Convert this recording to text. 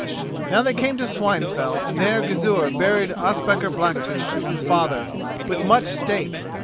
Now they came to Swinefell, and there Gizur buried Ospakar Blacktooth, his father, with much state.